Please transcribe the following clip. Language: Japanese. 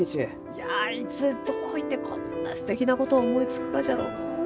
いやいつどういてこんなすてきなことを思いつくがじゃろうのう？